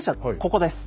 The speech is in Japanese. ここです。